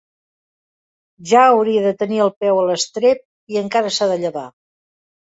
Ja hauria de tenir el peu a l'estrep, i encara s'ha de llevar!